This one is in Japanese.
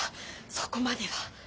そこまでは。